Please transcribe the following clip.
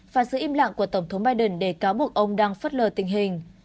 và giữ im lặng của tổng thống biden để cáo buộc ông đang phất lờ tình hình